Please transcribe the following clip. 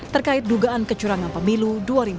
terkait dugaan kecurangan pemilu dua ribu dua puluh